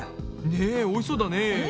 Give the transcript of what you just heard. ねおいしそうだね。